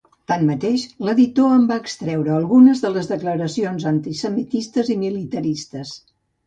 Tanmateix, l'editor en va extreure algunes de les declaracions antisemites i militaristes.